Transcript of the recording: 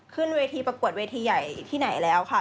ขึ้นเวทีประกวดเวทีใหญ่ที่ไหนแล้วค่ะ